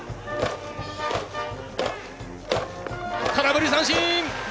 空振り三振！